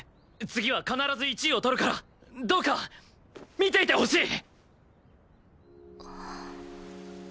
次は必ず１位を取るからどうか見ていてほしい！